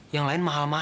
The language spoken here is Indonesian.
ya hanyut jenit sih kamu